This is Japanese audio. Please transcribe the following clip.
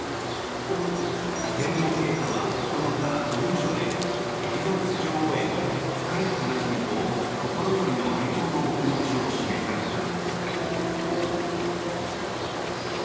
天皇陛下は９日文書でエリザベス女王への深い悲しみと心よりの哀悼のお気持ちを記された。